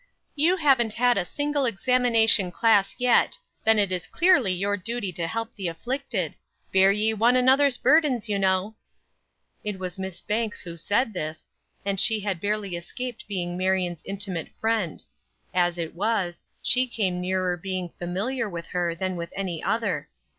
"You haven't had a single examination class yet; then it is clearly your duty to help the afflicted. 'Bear ye one another's burdens,' you know." It was Miss Banks who said this, and she had barely escaped being Marion's intimate friend; as it was, she came nearer being familiar with her than with any other.